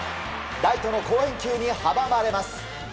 ライトの好返球に阻まれます。